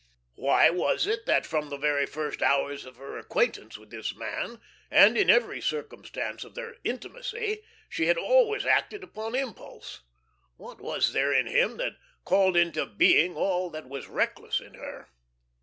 Why was it that from the very first hours of her acquaintance with this man, and in every circumstance of their intimacy, she had always acted upon impulse? What was there in him that called into being all that was reckless in her?